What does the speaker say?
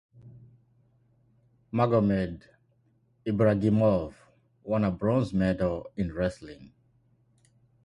Magomed Ibragimov won a bronze medal in wrestling.